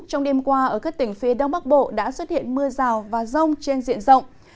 trong đêm qua ở các tỉnh phía đông bắc bộ đã xuất hiện mưa rào và rông trên diện rộng